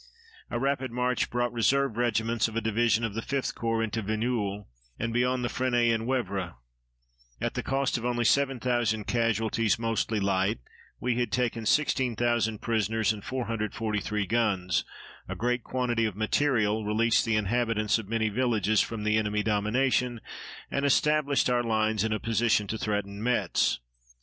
A rapid march brought reserve regiments of a division of the 5th Corps into Vigneulles and beyond Fresnes en Woevre. At the cost of only 7,000 casualties, mostly light, we had taken 16,000 prisoners and 443 guns, a great quantity of material, released the inhabitants of many villages from enemy domination, and established our lines in a position to threaten Metz.